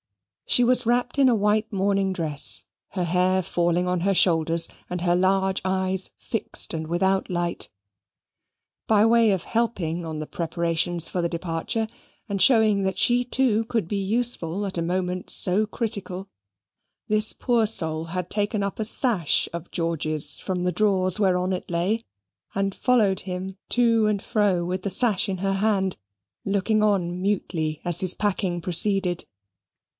She was wrapped in a white morning dress, her hair falling on her shoulders, and her large eyes fixed and without light. By way of helping on the preparations for the departure, and showing that she too could be useful at a moment so critical, this poor soul had taken up a sash of George's from the drawers whereon it lay, and followed him to and fro with the sash in her hand, looking on mutely as his packing proceeded.